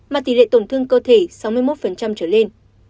mà tỷ lệ tổn thương cơ thể sáu mươi một trở lên